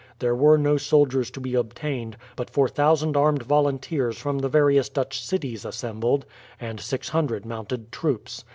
There were no soldiers to be obtained; but 4000 armed volunteers from the various Dutch cities assembled, and 600 mounted troops.